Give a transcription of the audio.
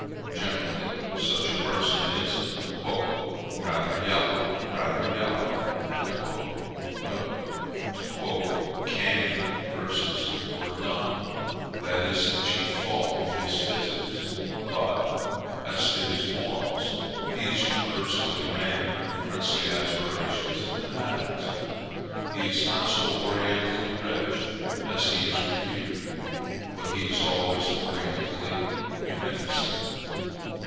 Generally such a person is "rather yellow, rather yellow," [to quote Canning versus Lord Durham:] that is the chief fault with his physics; but, as to his morals, he is universally a man of princely aspirations and habits. He is not always so orientally rich as he is reputed; but he is always orientally munificent.